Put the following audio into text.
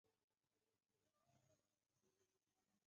次年进入第三届三星杯本赛后第一轮再次败给小林觉。